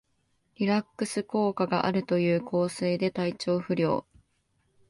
リラックス効果があるという香水で体調不良